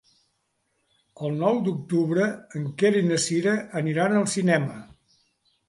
El nou d'octubre en Quer i na Cira aniran al cinema.